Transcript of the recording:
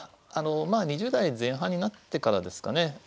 まあ２０代前半になってからですかね。